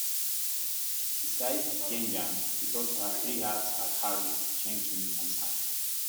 Besides Shenyang, it also had three hubs at Harbin, Changchun and Sanya.